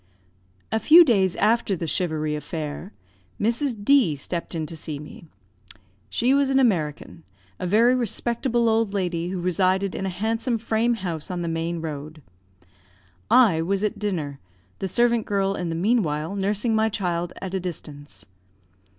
A few days after the charivari affair, Mrs. D stepped in to see me. She was an American; a very respectable old lady, who resided in a handsome frame house on the main road. I was at dinner, the servant girl, in the meanwhile, nursing my child at a distance.